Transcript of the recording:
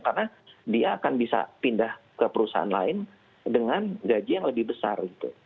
karena dia akan bisa pindah ke perusahaan lain dengan gaji yang lebih besar gitu